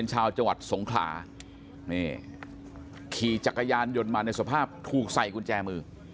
ชาวจังหวัดสงขลานี่ขี่จักรยานยนต์มาในสภาพถูกใส่กุญแจมือ